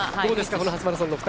この初マラソンの２人。